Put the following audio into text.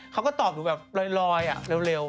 เขาก็ตอบอยู่แบบรอยอะเร็วอะ